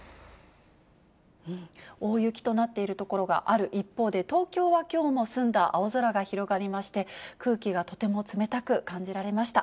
大雪となっている所がある一方で、東京はきょうも澄んだ青空が広がりまして、空気がとても冷たく感じられました。